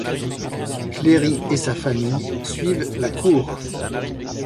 Cléry et sa famille suivent la cour.